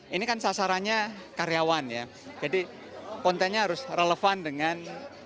ini kan sasarannya karyawan ya jadi kontennya harus relevan dengan